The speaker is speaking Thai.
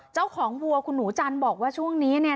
เจ้าของวัวคุณหนูจันทร์บอกว่าช่วงนี้เนี่ย